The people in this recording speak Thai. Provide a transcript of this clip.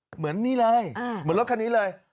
เหมือนนี้เลย